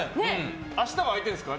明日は空いてるんですか？